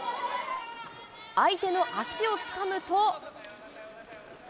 相手の足をつかむと。